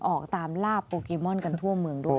ออกตามลาบโปเกมอนกันทั่วเมืองด้วย